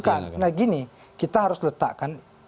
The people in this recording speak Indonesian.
bukan nah gini kita harus letakkan